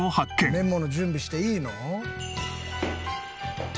メモの準備していいの？